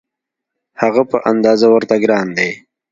هغه په اندازه ورته ګران دی.